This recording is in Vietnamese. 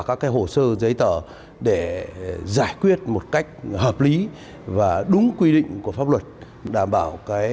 các hồ sơ giấy tờ để giải quyết một cách hợp lý và đúng quy định của pháp luật đảm bảo